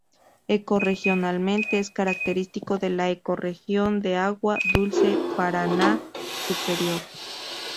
Ecorregionalmente es característico de la ecorregión de agua dulce Paraná superior.